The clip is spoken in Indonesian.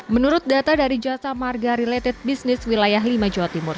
menurut data dari jasa marga related business wilayah lima jawa timur